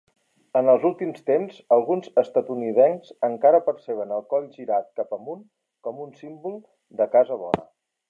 En els últims temps, alguns estatunidencs encara perceben el coll girat cap amunt com un símbol "de casa bona".